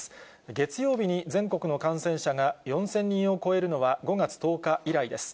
月曜日に全国の感染者が４０００人を超えるのは、５月１０日以来です。